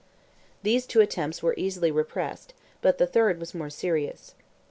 These two attempts were easily repressed, but the third was more serious.